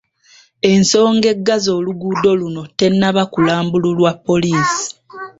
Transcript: Ensonga eggazza oluguudo luno tennaba kulambululwa poliisi